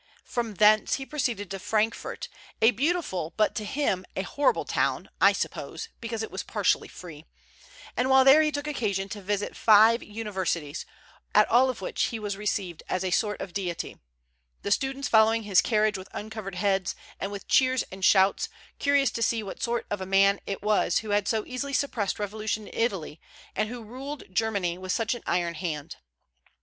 From thence he proceeded to Frankfort, a beautiful but to him a horrible town, I suppose, because it was partially free; and while there he took occasion to visit five universities, at all of which he was received as a sort of deity, the students following his carriage with uncovered heads, and with cheers and shouts, curious to see what sort of a man it was who had so easily suppressed revolution in Italy, and who ruled Germany with such an iron hand.